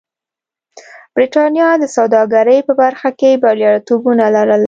برېټانیا د سوداګرۍ په برخه کې بریالیتوبونه لرل.